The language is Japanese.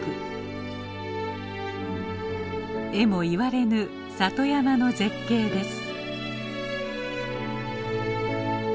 えも言われぬ里山の絶景です。